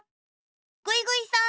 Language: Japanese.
ぐいぐいさん。